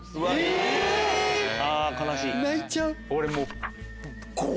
え⁉泣いちゃう。